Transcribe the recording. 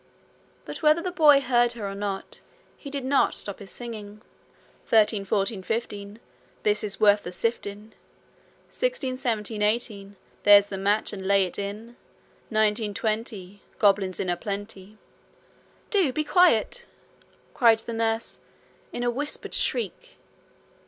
But whether the boy heard her or not, he did not stop his singing. 'Thirteen, fourteen, fifteen This is worth the siftin'; Sixteen, seventeen, eighteen There's the match, and lay't in. Nineteen, twenty Goblins in a plenty.' 'Do be quiet,' cried the nurse, in a whispered shriek.